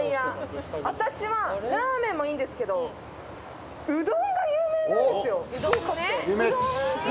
私はラーメンもいいんですけどうどんが有名なんですよ。